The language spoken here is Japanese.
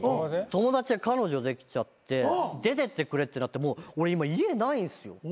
友達が彼女できちゃって出てってくれってなってもう俺今家ないんですよ。